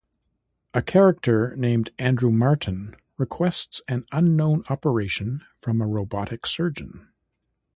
A character named Andrew Martin requests an unknown operation from a robotic surgeon.